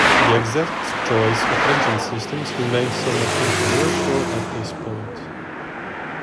The exact choice of engine systems remains somewhat controversial at this point.